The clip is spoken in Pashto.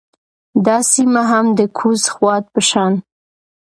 دا سیمه هم د کوز خوات په شان